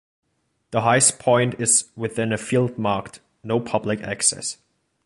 The highest point is within a field marked "No public access".